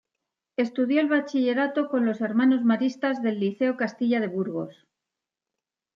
Estudió el bachillerato con los hermanos maristas del Liceo Castilla de Burgos.